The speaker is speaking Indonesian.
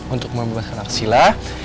untuk membebaskan arsyila